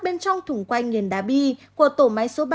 bên trong thùng quanh nghiền đá bi của tổ máy số ba